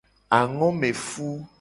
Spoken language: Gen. Angomefu.